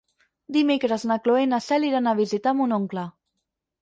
Dimecres na Cloè i na Cel iran a visitar mon oncle.